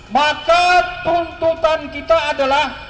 maka tuntutan kita adalah